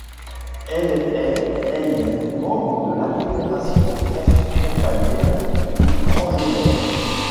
Elle est elle-même membre de l'agglomération transfrontalière du Grand Genève.